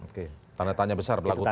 oke tanda tanya besar pelaku utama